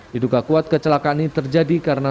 hidup kakuat kecelakaan ini terjadi karena